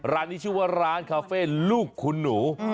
ร้านนี้ชื่อว่าร้านคาเฟ่ลูกคุณหนู